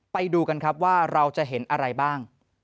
ไปดูกันครับว่าเราจะเห็นอะไรบ้าง